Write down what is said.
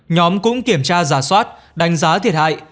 nhóm cũng kiểm tra giả soát đánh giá thiệt hại